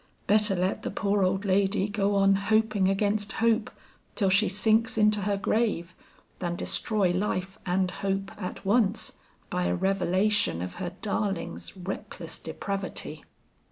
Better let the poor old lady go on hoping against hope till she sinks into her grave, than destroy life and hope at once by a revelation of her darling's reckless depravity.